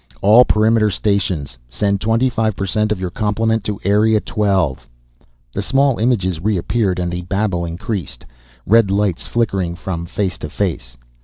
"All perimeter stations send twenty five per cent of your complement to Area Twelve." The small images reappeared and the babble increased, red lights flickering from face to face.